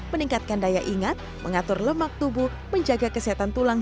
meningkatkan daya ingat mengatur lemak tubuh menjaga kesehatan tulang